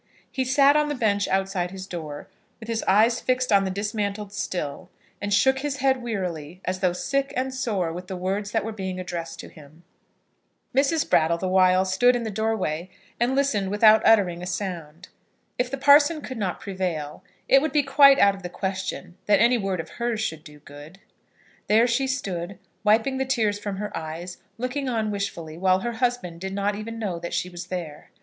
He sat on the bench outside his door, with his eyes fixed on the dismantled mill, and shook his head wearily, as though sick and sore with the words that were being addressed to him. Mrs. Brattle the while stood in the doorway, and listened without uttering a sound. If the parson could not prevail, it would be quite out of the question that any word of hers should do good. There she stood, wiping the tears from her eyes, looking on wishfully, while her husband did not even know that she was there.